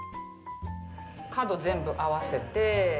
角全部合わせて。